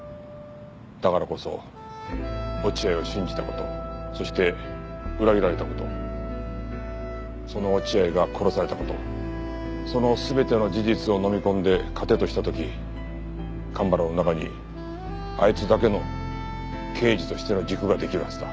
だからこそ落合を信じた事そして裏切られた事その落合が殺された事その全ての事実をのみ込んで糧とした時蒲原の中にあいつだけの刑事としての軸が出来るはずだ。